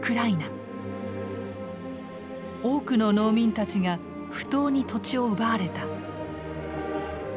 多くの農民たちが不当に土地を奪われた。